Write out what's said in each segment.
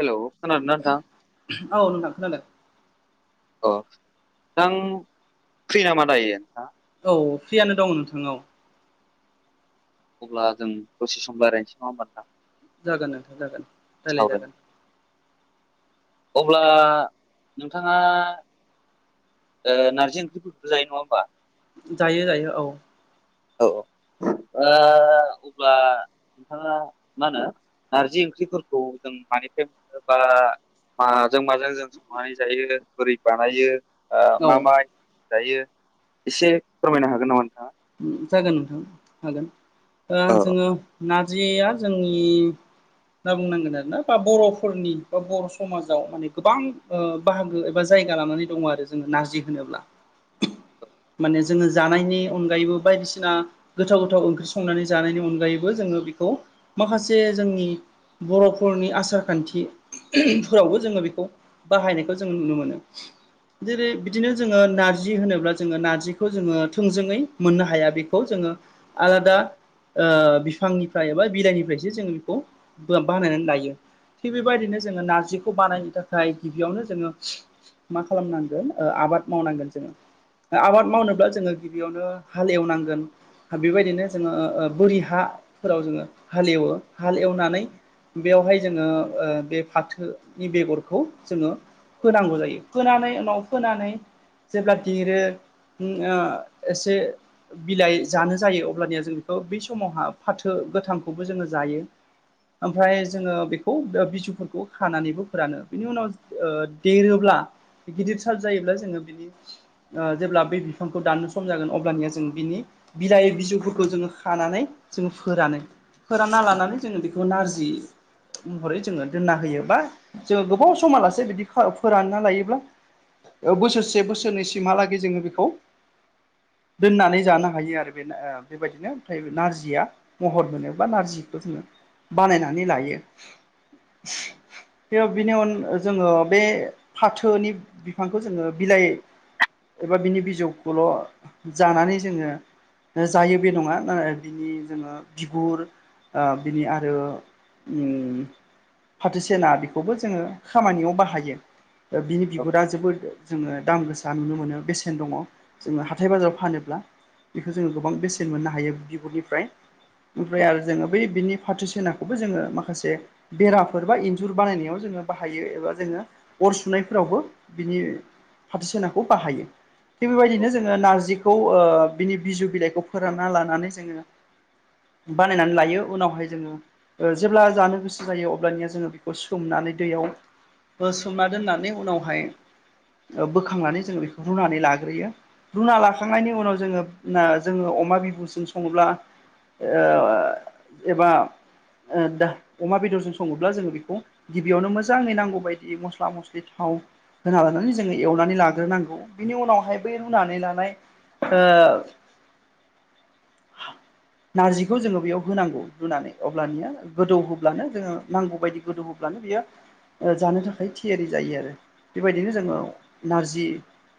Hello खोनादोंना नोंथां? औ नोंथां खोनादों अ नोंथां फ्रि नामा दायो नोंथाङा? औ फ्रियानो दङ नोंथां ओ अब्ला जों दसे सम लायरायनोसै नङा होमबा नोंथां? जागोन नोंथां जागोन। रायलाय सावराय जागोन अब्ला नोंथाङा। नारजि ओंख्रि फोरफोरखौबो जायो नङा होमबा जायो जायो औ। औ औ अब्ला नोंथाङा मा होनो नारजि ओंख्रिफोरखौ जों मानिफ्राय बा माजों माजों जों संनानै जायो बोरै बानायो? मा औ माइ जायो एसे फोरमायनो हागोन नामा नोंथाङा? जागोन नोंथां हागोन औ जोङो नारजिया जोंनि होना बुंनांगोन आरो ना बा बर'फोरनि बा बर' समाजाव माने गोबां बाहागो एबा जायगा लानानै दङ आरो जोङो नारजि होनोब्ला [unintelligible] माने जोङो जानायनि नि अनगायैबो बायदिसिना गोथाव गोथाव ओंख्रि संनानै जानायनि अनगायैबो जोङो बेखौ माखासे जोंनि बर'फोरनि आसार खान्थि फोरावबो जोङो बेखौ बाहायनायखौ जों नुनो मोनो। जेरै बिदिनो जोङो नार्जि होनोब्ला जोङो नार्जिखौ जोङो थोंजोङै मोननो हाया बेखौ जोङो आलादा बिफांनिफ्राय एबा बिदइनिफ्रायसो जोङो बेखौ बानायनानै लायो। थिग बेबायदिनो जोङो नारजिखौ बानायनो थाखाय गिबियावनो जोङो मा खालामनांगोन आबाद मावनांगोन जोङो आबाद मावनोब्ला जोङो गिबियावनो हाल एवनांगोन बेबायदिनो जोङो बोरि हाफोराव जोङो हाल एवो हाल एवनानै बेयावहाय जोङो बे फाथोनि बेगरखौ जोङो होनांगौ जायो फोनानै उनाव फोनानै जेब्ला दिरो एसे बिलाइ जानो जायो अब्लानिया जों बेखौ बै समावहा फाथो गोथांखौबो जोङो जायो। ओमफ्राय जोङो बेखौ बिजुफोरखौ खानानैबो फोरानो बिनि उनाव देरोब्ला गिदिर सार् जायोब्ला जोङो बिनि जेब्ला बे बिफांखौ दाननो सम जागोन अब्लानिया जों बिनि बिलाइ बिजौफोरखौ जोङो खानानै जोङो फोरानो फोरानना लानानै जोङो बेखौ नारजि महरै जोङो दोनना होयो बा जोङो गोबाव समालासे बिदि फोरानना लायोब्ला बोसोरसे बोसोरनैसिमहालागै जोङो बेखौ दोननानै जानो हायो आरो बे बेबायदिनो ओमफ्राय नारजिया महर मोनो बा नारजिखौ जोङो बानायनानै लायो। बेयाव बिनि उन जोङो बे फाथोनि बिफांखौ जोङो बिलाइ एबा बिनि बिजौखौल' जानानै जोङो जायो बे नङा बिनि जोङो बिगुर बिनि आरो। फाथसेना बेखौबो जोङो खामानियाव बाहायो। बिनि औ बिगुरा जोबोद जोङो दाम गोसा नुनो मोनो बेसेन दङ जोङो हाथाय बाजाराव फानोब्ला बेखौ जोङो गोबां बेसेन मोननो हायो बिब'निफ्राय ओमफ्राय औ आरो जोङो बै बिनि पार्टिसेनाखौबो जोङो माखासे बेराफोर बा इन्जुर बानायनायाव जोङो बाहायो एबा जोङो अर सुनायफोरावबो बिनि फाथो सिनाखौ बाहायो थिग बेबायदिनो जोङो नारजिखौ बिनि बिजु बिलाइखौ फोरानना लानानै जोङो बानायनानै लायो उनावहाय जोङो जेब्ला जानो गोसो जायो अब्लानिया जोङो बेखौ सोमनानै दैयाव सोमना दोननानै उनावहाय बोखांनानै जोङो बेखौ रुनानै लाग्रोयो। रुना लाखांनायनि उनाव जोङो जोङो अमा बिबुजों सङोब्ला एबा दा अमा बेदरजों सङोब्ला जोङो बेखौ गिबियावनो मोजाङै नांगौ बायदि मस्ला मस्लि थाव लानानै जोङो एवनानै लाग्रोनांगौ बिनि उनावहाय ब फोनानै लानाय [inaudible] नारजिखौ जोङो बेयाव होनांगौ रुनानै अब्लानिया गोदौ होब्लानो जोङो नांगौ बायदि गोदौ होब अब्लानो बियो जानो थाखाय थियारि जायो आरो। बेबायदिनो जोङो नारजि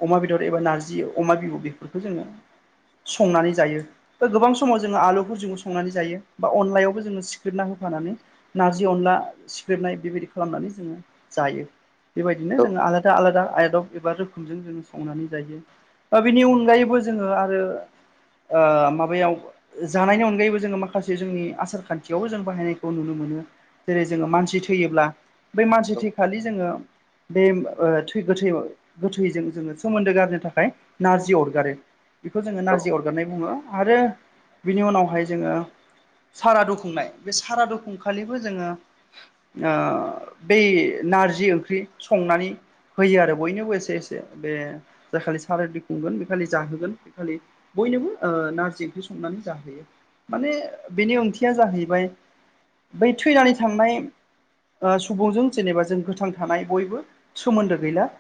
अमा बेदर एबा नारजि अमा बिहु बेफोरखौ जोङो संनानै जायो। दा गोबां समाव जोङो आलुफोरजों संनानै जायो बा अनलायावबो जोङो सिखोर ना होफानानै नारजि अनला सिख्रेबनाय बेबायदि खालामनानै जोङो जायो बेबायदिनो औ जोङो आलादा आलादा आदब एबा रोखोमजों जोङो संनानै जायो बिनि अनगायैबो जोङो आरो माबायाव जानायनि अनगायैबो जोङो माखासे जोंनि आसार खान्थियावबो जों बाहायनायखौ नुनो मोनो जेरै जोङो मानसि थैयोब्ला बै मानसि औ थैखालि जोङो बे थै गोथै गोथैजों जोङो सोमोन्दो गारनो थाखाय नारजि अरगारो बेखौ जोङो औ नारजि अरगारनाय बुङो। आरो बिनि उनावहाय जोङो सारादु खुंनाय बे सारादुखुंखालिबो जोङो बै नारजि ओंख्रि संनानै फैयो आरो बयनिबो एसे एसे बे जाय खालि सारायद खुंगोन बे खालि जाहोगोन बे खालि बयनोबो नारजि ओंख्रि संनानै जाहोयो माने बेनि ओंथिया जाहैबाय बै थैनानै थांनाय सुबुंजों जेनेबा जों गोथां थानाय बयबो सोमोन्दो गैला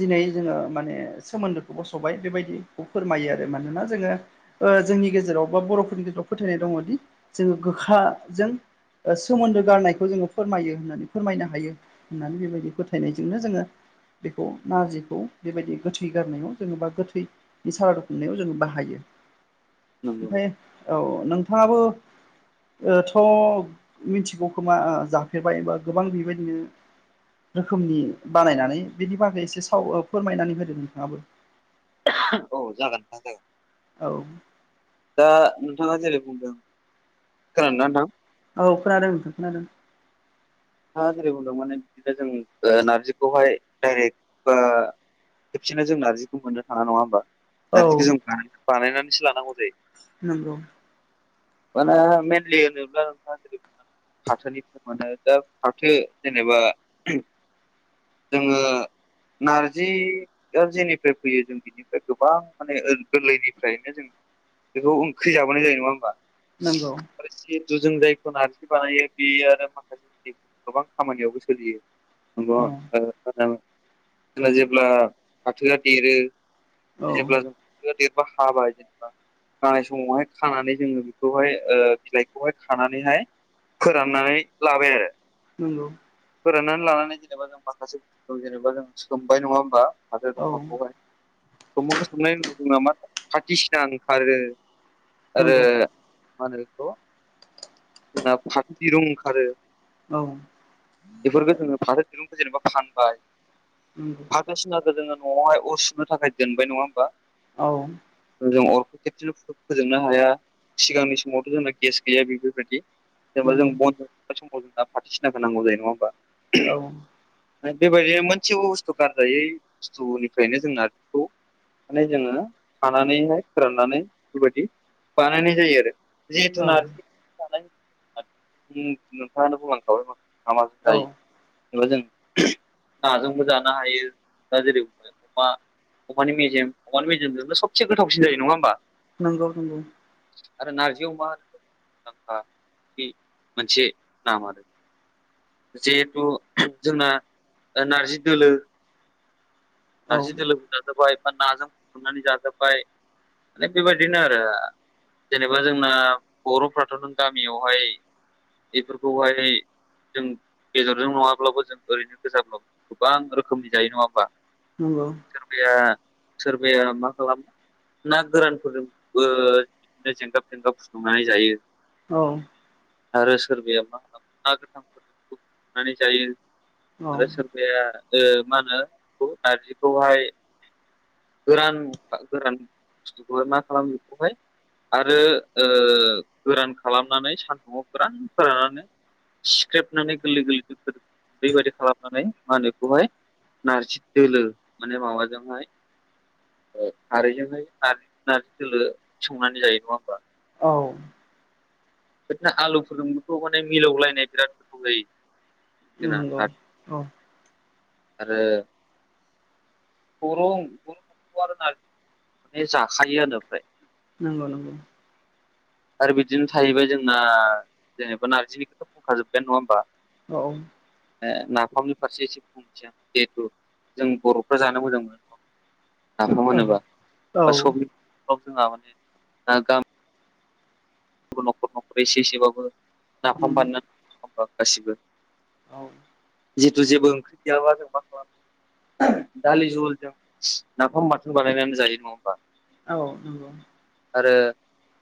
दिनै जोङो माने सोमोन्दोखौ बस'बाय बेबायदिखौ फोरमायो आरो मानोना जोङो जोंनि गेजेराव बा बर'फोरनि गेजेराव फोथायनाय दङदि जोङो गोखाजों ओ सोमोन्दो गारनायखौ जोङो फोरमायो होननानै फोरमायनो हायो होननानै बेबायदि फोथायनायजोंनो जोङो बेखौ नारजिखौ बेबायदि गोथै गारनायाव जोङो बा गोथैनि साहा दुखुमनायाव जोङो बाहायो नंगौ ओमफ्राय औ नोंथाङाबो थ' मिथिगौ खोमा जाफेरबायबा गोबां बेबायदिनो रोखोमनि बानायनानै बेनि बागै एसे साव फोरमायनानै होदो नोंथाङाबो औ जागोन नोंथां जागोन औ दा नोंथाङा जेरै बुंदों खोनादोंना नोंथां औ खोनादों खोनादों हा जेरै बुंदों माने बिदिनो जों नार्जिखौहाय डाइरेक्ट खेबसेनो जों नार्जिखौ मोननो थाना नङा होमबा औ नारजिखौ जों बानायनानैसो लानांगौ जायो नंगौ माने मेनलि होनोब्ला नोंथाङा जै फाथोनिफ्राय मे दा फाथो जेनेबा जोङो नारजि ग जेनिफ्राय फैयो जों बिनिफ्राय गोबां माने गोरलैनिफ्रायनो जों बेखौ ओंख्रि जाबोनाय जायो नङा होनोमबा नांगौ आरो सथुजों जायखौ नार्जि बानायो बेयो आरो माखासे जे गोबां खामानियावबो सोलियो औ ग ज जेब्ला फाथोआ देरो औ जेब्ला जों देरब हाबाय जेनेबा खानाय समावहाय खानानै जोङो बेखौहाय बिलाइखौहाय खानानैहाय फोराननानै लाबाय आरो नंगौ। फोराननानै लानानै जेनेबा जों माखासे बुसथुखौ जेनेबा जों सोमबाय नङा होमबा हाजों औ दंफांखौहाय स्फ'खौ सोमनायनिदों न मा खाथि सिना ओंखारो। आरो नंगौ मा होनो बेखौ जोंना फाथो दिरुं ओंखारो। औ बेफोरखौ जोङो फाथो दिरुंखौ जेनेबा फानबाय नगौ बायदिसिनाखौ जोङो न'आवहाय अर सुनो थाखाय दोनबाय नङा होनोमबा औ जों अरखौ खेबसेल' फोजोबनो हाया सिगांनि समावथ' जोंबना गेस गैया बेफोरबायदि जेनेबा जों नंगौ बनजोंनाय समाव जों दा फाथो सिना होनांगौ जायो नङा होमबा? औ बेबायदिनो मोनसेबो बुस्थु गारजायै बुस्थुनिफ्रायनो जोंना बेखौ माने जोङो खानानैहाय फोराननानै बेफोरबायदि बानायनाय जायो आरो। जिथुनाखि नोंथाङानो बुंलांखाबाय माखासे हामाबो जायो। जेनेबा जों नाजोंबो जानो हायो दा जेरै अमा अखानि मेजेम अखानि मेजेजोंबो सबसे गोथावसि जायो नङा होमबा? नंगौ नंगौ। आरो नार्जि अमा होनोब्ला मोनसे नाम आरो। जिहेथु जोंना नारजि दोलो औ नार्जि दोलोबो जाजाब्बाय बा नाजों फुदुंनानै जाजाब्बाय। ओमफ्राय बेबायदिनो आरो। जेनेबा जोंना बर'फ्राथ' नों गामियावहाय बेफोरखौहाय जों बेदरजों नङाब्लाबो जों ओरैनो गोजाब्लाबो गोबां रोखोमनि जायो नङा होमबा? नंगौ। सोरबाया सोरबाया मा खालामो ना गोरानफोरजोंबो बिदिनो जेंगाब थेंगाब फुदुंनानै जायो। औ। आरो सोरबाया मा ना गोथां खनानै जायो औ आरो मा होनो बे नारजिखौहाय गोरान गोरान बुस्थुखौहाय मा खालामो बेखौहाय आरो गोरान खालामनानै सान्दुआव गोरान फोराननानै सिख्रेबनानै गोरलै गोरलै गुन्दै बाददि खालामनानै मा होनो बेखौहाय नारजि दोलो माने माबाजोंहाय खारैजोंहाय नारजि दोलो संनानै जायो नङा होमबा? औ। बिदिनो आलुफोरजोंबोथ' माने मिलावलायनाय बिराद गोथाव जायो। जोंना नंगौ औ नार्जिजों आरो बर' न'खर आरो नारजि माने जाखायो ओमफ्राय। नंगौ नंगौ। आरो बिदिनो थाहैबाय जोंना जेनेबा नारजिखौथ' बुंखाजोबबायानो नङा होमबा? औ औ। नाफामनि फारसे एसे बुंथिया जिहेथु जों बर'फ्रा जानो मोजां मोनो। नाफाम होनोबा बा औ सबनिबो न'खरावनो जोंहा माने बो न'खर न'खर एसे एसेबाबो नाफाम बानायनानै गासिबो औ। जिहेतु जेबो ओंख्रि गैयाब्ला जों मा खालामो दालि जहलजों नाफाम बाथोन बानायनानै जायो नङा होमबा? औ नंगौ। आरो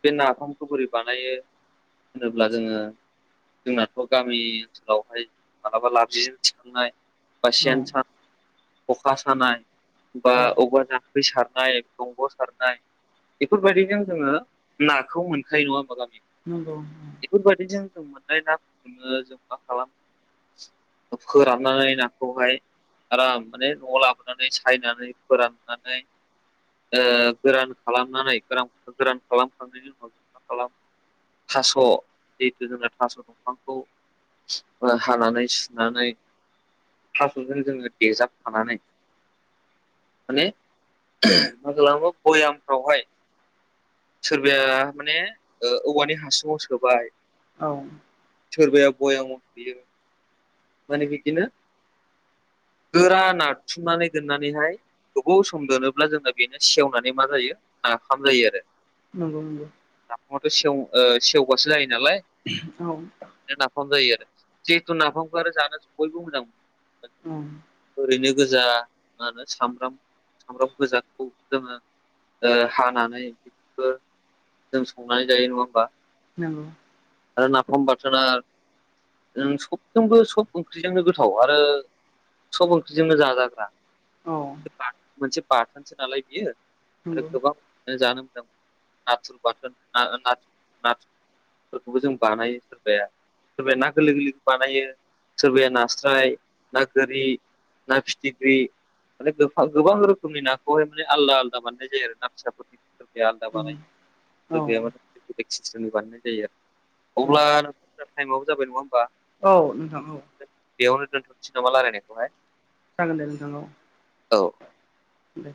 बे नाफामखौ बोरै बानायो होनोब्ला जोङो जोंनाथ' गामि ओनसोलावहाय मालाबा लाबजिजों थिखांनाय ओ औ सेन सा खखा सानाय बा औ औवा दान दै सारनाय दंग' सारनाय बेफोरबायदिजों जोङो नाखौ मोनखायो नङा [unintelligible] नंगौ। बेफोरबायदिजों जों मोननाय नाफोरखौनो जों मा खालामो फोराननानै नाखौहाय आराम माने न'आव लाबोनानै सायनानै फोराननानै ओ गोरान खालामनानै गोरान गोरान खालामखांनायनि उनाव जों मा खालाम थास' जिहेथु जोंना थास' दंफांखौ ओ हानानै सुनानै थास'जों जोङो देजाबफानानै माने मा खालामो भयामफ्रावहाय सोरबाया माने ओ औवानि हासुङाव सोबाय औ सोरबाया बयामाव सोयो माने बिदिनो गोरा नारथुमनानै दोननानैहाय गोबाव सम दोनोब्ला जोङो बेनो सेवनानै मा जायो नाफाम जायो आरो नंगौ नंगौ। नाफाम आथ' सेव ओ सेवबासो जायो नालाय औ नाफाम जायो आरो जिहेथु नाफामखौ आरो जानो बयबो मोजां मोनो। ओं ओरैनो गोजा मा होनो सामब्राम सामब्राम गोजाखौ जोङो ओ हानानै बिदिबो जों संनानै जायो नङा होमबा नंगौ। आरो नाफाम बाथोना नों सब संबो सब ओंख्रिजोंनो गोथाव आरो सब ओंख्रिजोंनो जाजाग्रा औ ओ बा मोनसे बाथोनसो नालाय बियो आरो नंगौ गोबां जानो मोनदों नाथुर बाथोन ना ना नाथुर फोरखौबो जों बानायो सोरबाया सोरबाया ना गोरलै गोरलै बानायो सोरबाया नास्राय ना गोरि ना फिथिग्रि माने गोफा गोबां रोखोमनि नाखौहाय माने आलदा आलदा बानायनाय जायो आरो ना फिसाफोरनि सोरबाया आलदा बानायो औ सोरबाया माने बेलेग सिस्टमनि बानायनाय जायो आरो अब्ला दा टाइमावबो जाबाय नङा होमबा औ नोंथां औ ओ बेयावनो दोनथ'नोसै नामा रायलायनायखौहाय जागोन दे नोंथां औ औ दे